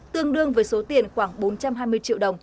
tương đương với số tiền khoảng bốn trăm hai mươi triệu đồng